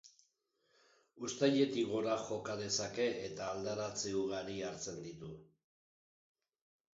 Uztaietik gora joka dezake eta aldaratze ugari hartzen ditu.